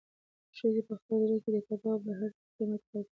ښځې په خپل زړه کې د کبابو د هر سیخ قیمت اټکل کاوه.